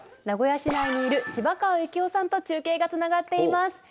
名古屋市内にいる芝川征夫さんと中継がつながっています。